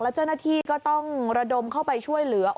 เจ้าหน้าที่ก็ต้องระดมเข้าไปช่วยเหลือ